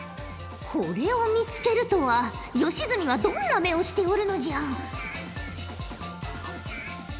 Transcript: これを見つけるとは吉住はどんな目をしておるのじゃ。